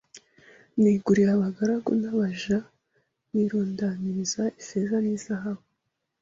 niguriye abagaragu n’abaja nirundaniriza ifeza n’izahabu